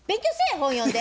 本読んで。